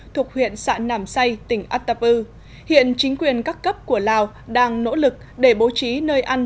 thuộc huyện sạn nàm say tỉnh atapu hiện chính quyền các cấp của lào đang nỗ lực để bố trí nơi ăn